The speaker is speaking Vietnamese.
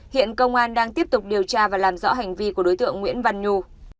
hiện công an đang tiếp tục điều tra và làm rõ hành vi của đối tượng nguyễn văn nhu